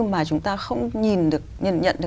mà chúng ta không nhìn được nhận được